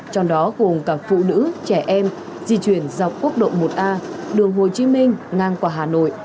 trong đó gồm cả phụ nữ trẻ em di chuyển dọc quốc lộ một a đường hồ chí minh ngang qua hà nội